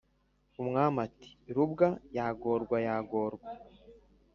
” umwana ati “rubwa yagorwa yagorwa!